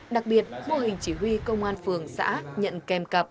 đặc biệt mô hình chỉ huy công an phường xã nhận kèm cặp